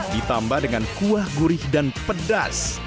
ditambah dengan kuah gurih dan pedas